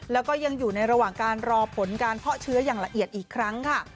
แล้วก็ยังอยู่ในระหว่างการรอผลการเพาะเชื้ออย่างละเอียดอีกครั้งค่ะ